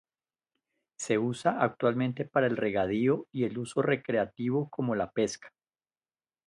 Se usa actualmente para el regadío y el uso recreativo como la pesca.